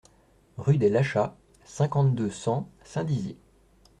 Rue des Lachats, cinquante-deux, cent Saint-Dizier